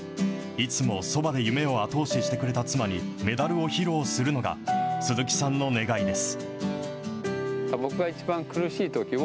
いつもそばで夢を後押ししてくれた妻にメダルを披露するのが鈴木さんの願いです。